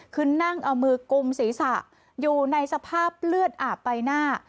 คือนั่งเอามือกุมศีรษะอยู่ในสภาพเลือดอาบใบหน้า